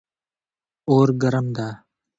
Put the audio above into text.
اور ګرم ده